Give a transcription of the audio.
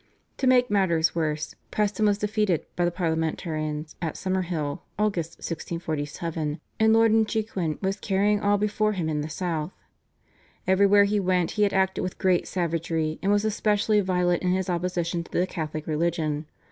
To make matters worse Preston was defeated by the Parliamentarians at Summerhill (Aug. 1647), and Lord Inchiquin was carrying all before him in the South. Everywhere he went he had acted with great savagery, and was especially violent in his opposition to the Catholic religion.